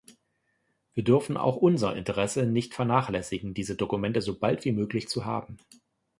Wir dürfen auch unser Interesse nicht vernachlässigen, diese Dokumente sobald wie möglich zu haben.